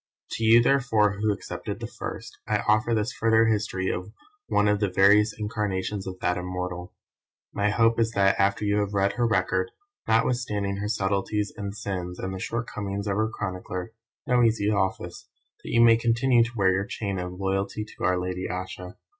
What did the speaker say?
To you therefore who accepted the first, I offer this further history of one of the various incarnations of that Immortal. My hope is that after you have read her record, notwithstanding her subtleties and sins and the shortcomings of her chronicler (no easy office!) you may continue to wear your chain of "loyalty to our lady Ayesha."